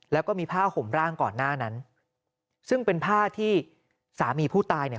แล้วก็มีผ้าห่มร่างก่อนหน้านั้นซึ่งเป็นผ้าที่สามีผู้ตายเนี่ย